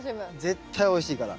絶対おいしいから。